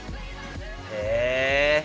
へえ。